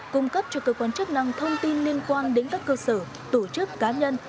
cung cấp cho cơ quan chức năng thông tin liên quan đến các cơ sở tổ chức cá nhân